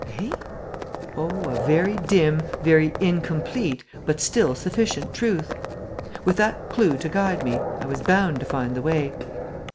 "Eh?" "Oh, a very dim, very incomplete, but still sufficient truth! With that clue to guide me, I was bound to find the way.